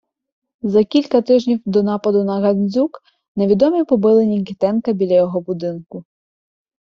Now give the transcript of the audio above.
За кілька тижнів до нападу на Гандзюк невідомі побили Нікітенка біля його будинку.